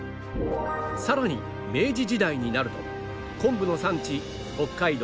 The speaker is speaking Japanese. さらに明治時代になると昆布の産地北海道